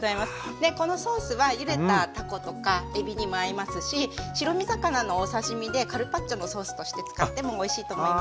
このソースはゆでたタコとかエビにも合いますし白身魚のお刺身でカルパッチョのソースとして使ってもおいしいと思います。